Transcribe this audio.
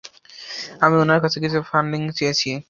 আমি ওনার কাছে কিছু ফান্ডিংও চেয়েছি।